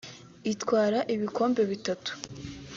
itwara ibikombe bitatu